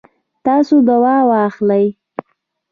تاسو دوا واخلئ